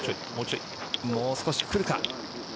もう少し来るか？